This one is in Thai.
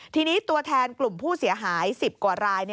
ทีนี้ตัวแทนกลุ่มผู้เสียหาย๑๐กว่าราย